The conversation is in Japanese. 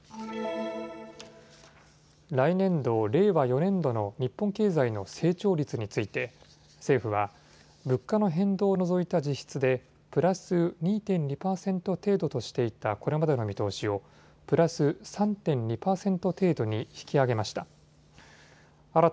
来年度・令和４年度の日本経済の成長率について政府は物価の変動を除いた実質でプラス２．２％程度としていたこれまでの見通しをプラス３．２％程度に引き上げました。